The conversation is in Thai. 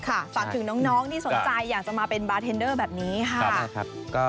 ฝากถึงน้องที่สนใจอยากจะมาเป็นบาร์เทนเดอร์แบบนี้ค่ะ